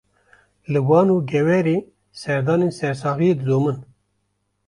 Li Wan û Geverê, serdanên sersaxiyê didomin